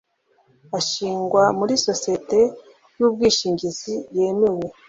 ashingwa muri sosiyete y ubwishingizi yemerewe